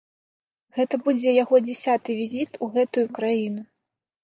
Гэта будзе яго дзясяты візіт у гэтую краіну.